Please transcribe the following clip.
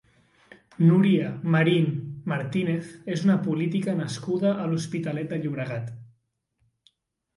Núria Marín Martínez és una política nascuda a l'Hospitalet de Llobregat.